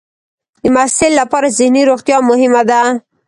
د محصل لپاره ذهني روغتیا مهمه ده.